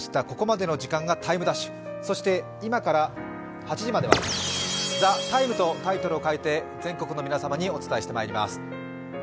ここまでの時間が「ＴＩＭＥ’」そして今から８時までは「ＴＨＥＴＩＭＥ，」とタイトルを変えて全国の皆様にお伝えしてまいります。